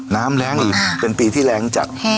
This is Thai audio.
แรงอีกเป็นปีที่แรงจัด